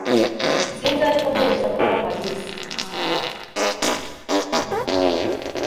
Sinzi ariko ndemeza ko Tom abizi